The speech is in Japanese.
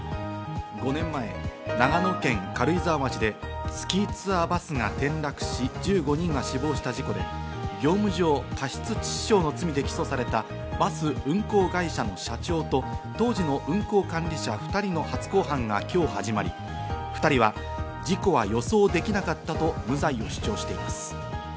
５年前、長野県軽井沢町でスキーツアーバスが転落し、１５人が死亡した事故で、業務上過失致死傷の罪で起訴されたバス運行会社の社長と当時の運行管理者２人の初公判が今日始まり、２人は、事故は予想できなかったと無罪を主張しています。